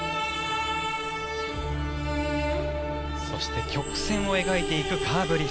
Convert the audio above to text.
そして曲線を描いていくカーブ